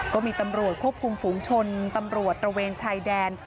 ก็มีตำรวจควบคุมฝูงชนตำรวจตระเวนชายแดน